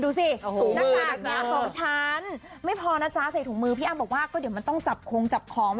อืมเออน่ารักดีเหมือนกันนะแม่ใส่อะไรก็รอดเอาจริงจริง